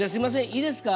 いいですか？